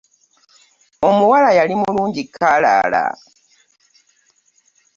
Omuwala yali mulungi kalala.